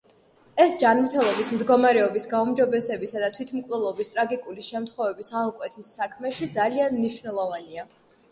ეს ჯანმრთელობის მდგომარეობის გაუმჯობესებისა და თვითმკვლელობის ტრაგიკული შემთხვევების აღკვეთის საქმეში ძალიან მნიშვნელოვანია.